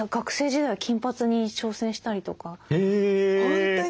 本当に？